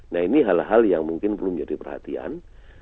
nah ini hal hal yang mungkin belum jadi perhatian